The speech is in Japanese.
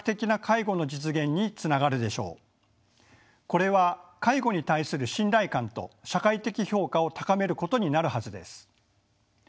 これは介護に対する信頼感と社会的評価を高めることになるはずです。